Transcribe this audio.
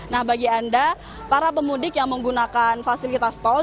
nah bagi anda para pemudik yang menggunakan fasilitas tol